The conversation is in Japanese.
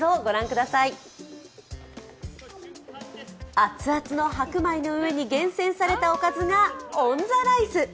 熱々の白米の上に厳選されたおかずがオンザライス。